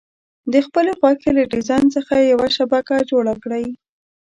د خپلې خوښې له ډیزاین څخه یوه شبکه جوړه کړئ.